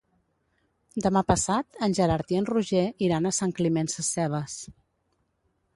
Demà passat en Gerard i en Roger iran a Sant Climent Sescebes.